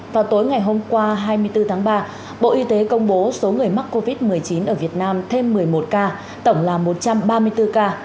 vào tối ngày hôm qua hai mươi bốn tháng ba bộ y tế công bố số người mắc covid một mươi chín ở việt nam thêm một mươi một ca tổng là một trăm ba mươi bốn ca